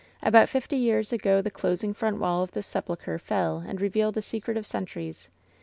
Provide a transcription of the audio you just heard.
About fifty years ago the closing front wall of this sepulcher fell and re vealed a secret of centuries.